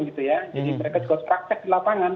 jadi mereka juga harus praktek di lapangan